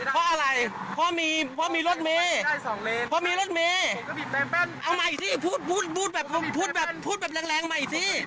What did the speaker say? พออะไรพอมีรถเม่พอมีรถเม่เอาใหม่สิพูดแหลงใหม่สิ